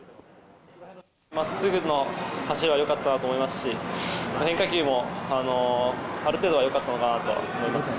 まっすぐの走りはよかったなと思いますし、変化球もある程度はよかったのかなとは思います。